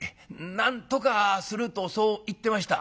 「『なんとかする』とそう言ってました」。